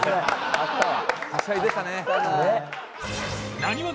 あったな。